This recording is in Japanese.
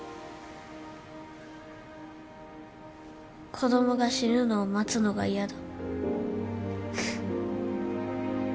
子供が死ぬのを待つのが嫌だ。